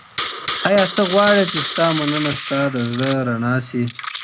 ایا ته غواړې چي ستا مننه ستا د زړه رڼا سي؟